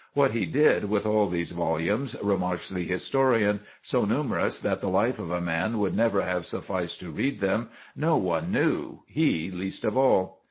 "What he did with all these volumes," remarks the historian, "so numerous that the life of a man would never have sufficed to read them, no one knew—he least of all."